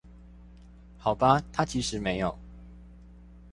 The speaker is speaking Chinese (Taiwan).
好吧他其實沒有